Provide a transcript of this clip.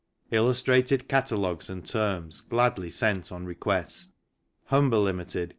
Illustrated Catalogues and Terms gladly sent on request HUMBER LTD.